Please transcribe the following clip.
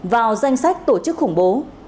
vào danh sách tổ chức khủng bố